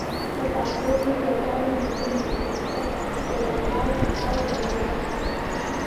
په پښتو کې یاګانې مهمې دي لکه ګلالی او ګلالۍ